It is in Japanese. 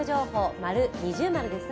丸、二重丸ですね。